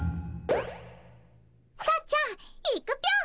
さっちゃんいくぴょん。